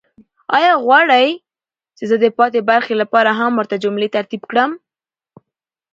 آیا غواړئ چې زه د پاتې برخې لپاره هم ورته جملې ترتیب کړم؟